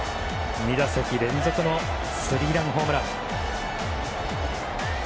２打席連続のスリーランホームラン。